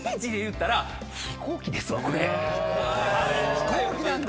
飛行機なんだ。